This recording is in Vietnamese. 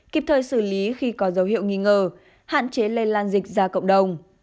kịp thời xử lý khi có dấu hiệu nghi ngờ hạn chế lây lan dịch ra cộng đồng